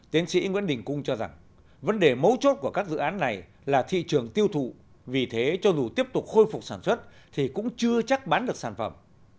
tiến sĩ nguyễn đình cung cho rằng vấn đề mấu chốt của các dự án này là thị trường tiêu thụ vì thế cho dù tiếp tục khôi phục sản xuất thì cũng chưa chắc bán được sản phẩm